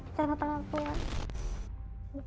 bisa belah ke pemilik